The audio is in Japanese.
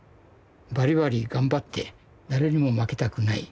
「バリバリ頑張って誰にも負けたくない。